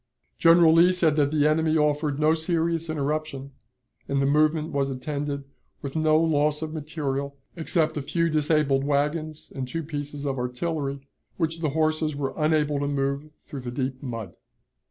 General Lee said that the enemy offered no serious interruption, and the movement was attended with no loss of material except a few disabled wagons and two pieces of artillery, which the horses were unable to move through the deep mud.